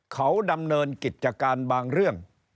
เขาดำเนินกิจการบางเรื่อง